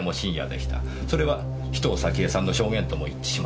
それは紫藤咲江さんの証言とも一致します。